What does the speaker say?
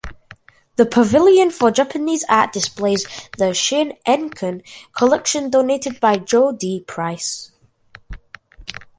The Pavilion for Japanese Art displays the Shin'enkan collection donated by Joe D. Price.